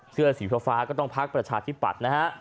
เสื้อสีฟ้าก็ต้องพักประชาธิปัตย์นะฮะ